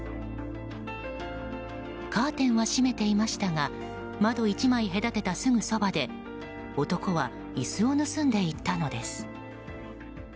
カーテンは閉めていましたが窓１枚隔てたすぐそばで男は椅子を盗んでいったのです。